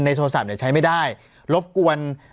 ในโทรศัพท์เนี่ยใช้ไม่ได้รบกวน